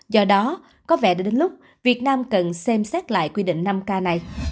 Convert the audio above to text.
do đó có vẻ đã đến lúc việt nam cần xem xét lại quy định năm k này